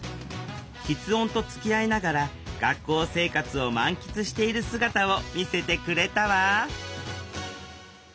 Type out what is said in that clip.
きつ音とつきあいながら学校生活を満喫している姿を見せてくれたわ。